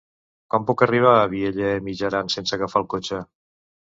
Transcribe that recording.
Com puc arribar a Vielha e Mijaran sense agafar el cotxe?